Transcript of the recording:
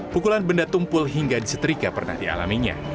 pukulan benda tumpul hingga disetrika pernah dialaminya